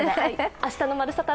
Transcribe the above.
明日の「まるサタ」